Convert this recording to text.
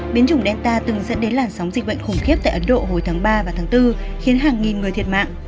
biến chủng delta từng dẫn đến làn sóng dịch bệnh khủng khiếp tại ấn độ hồi tháng ba và tháng bốn khiến hàng nghìn người thiệt mạng